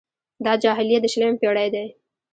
دا جاهلیت د شلمې پېړۍ دی.